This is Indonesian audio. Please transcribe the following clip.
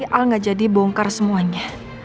al gak jadi bongkar semuanya